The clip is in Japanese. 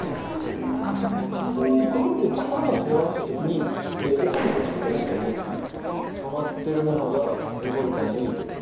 ところで力が加わった時に起こる現象って何か覚えてる？